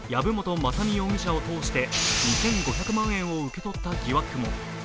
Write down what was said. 雅巳容疑者を通して２５００万円を受け取った疑惑も。